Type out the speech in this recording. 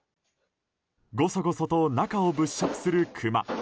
ごそごそと中を物色するクマ。